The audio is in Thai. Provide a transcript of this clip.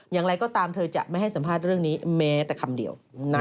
อย่างไรก็ตามเธอจะไม่ให้สัมภาษณ์เรื่องนี้แม้แต่คำเดียว